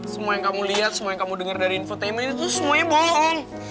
semua yang kamu lihat semua yang kamu dengar dari infotainment itu semuanya bohong